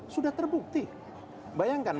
sudah terbukti bayangkan